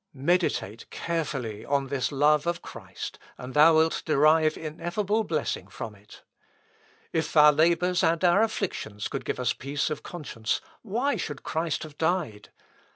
Meditate carefully on this love of Christ, and thou wilt derive ineffable blessing from it. If our labours and our afflictions could give us peace of conscience, why should Christ have died?